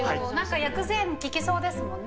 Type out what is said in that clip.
薬膳、効きそうですもんね。